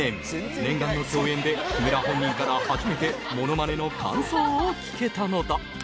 念願の共演で木村本人から初めてものまねの感想を聞けたのだ。